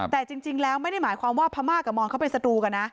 แต่จริงแล้วไม่ได้หมายความว่าพม่ากับมอนเขาเป็นศัตรูกันนะ